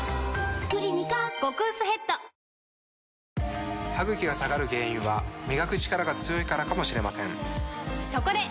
「クリニカ」極薄ヘッド歯ぐきが下がる原因は磨くチカラが強いからかもしれませんそこで！